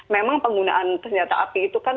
memang penggunaan senjata api itu kan